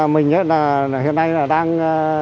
mình hiện nay đang